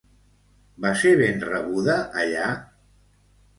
Va ser ben rebuda allà?